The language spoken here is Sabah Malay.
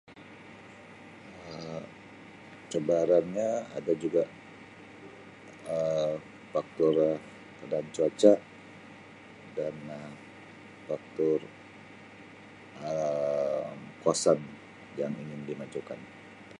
Um cabaran nya ada juga Um faktor keadaan cuaca dan Um faktor Um kawasan yang ingin dimajukan.